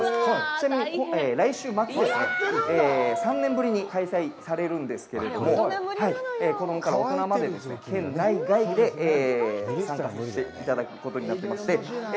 ちなみに来週末ですね、３年ぶりに開催されるんですけれども、子供から大人まで、県内外で参加していただくことになってまして。